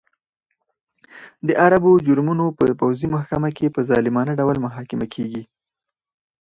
د عربو جرمونه په پوځي محکمه کې په ظالمانه ډول محاکمه کېږي.